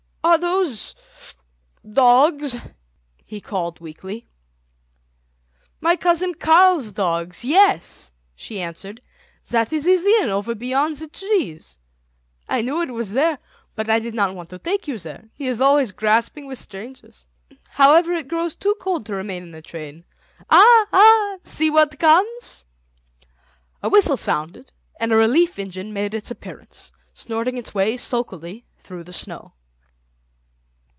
"Are those—dogs?" he called weakly. "My cousin Karl's dogs, yes," she answered; "that is his inn, over beyond the trees. I knew it was there, but I did not want to take you there; he is always grasping with strangers. However, it grows too cold to remain in the train. Ah, ah, see what comes!" A whistle sounded, and a relief engine made its appearance, snorting its way sulkily through the snow.